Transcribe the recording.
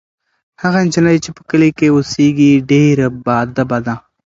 هغه نجلۍ چې په کلي کې اوسیږي ډېره باادبه ده.